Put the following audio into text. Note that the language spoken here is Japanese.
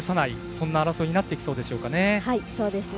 そんな争いになっていきそうですかね。